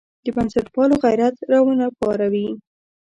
د بنسټپالو غیرت راونه پاروي.